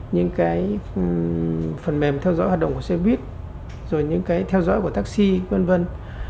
những phần mềm theo dõi hoạt động của xe buýt rồi những cái theo dõi của taxi vân vân